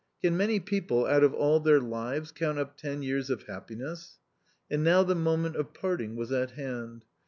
Can many ' people out of all their lives count up ten years of happiness ? And now the moment of parting was at hand.